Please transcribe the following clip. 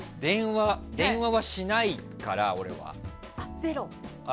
電話はしないから、俺は。